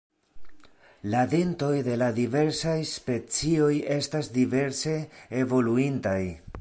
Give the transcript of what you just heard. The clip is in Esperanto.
La dentoj de la diversaj specioj estas diverse evoluintaj.